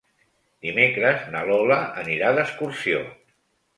Dimecres na Lola anirà d'excursió.